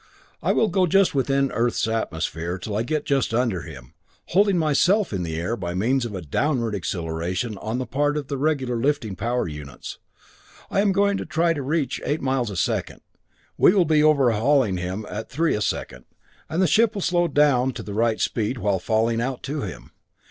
I will go just within the Earth's atmosphere till I get just under him, holding myself in the air by means of a downward acceleration on the part of the regular lifting power units. I am going to try to reach eight miles a second. We will be overhauling him at three a second, and the ship will slow down to the right speed while falling out to him.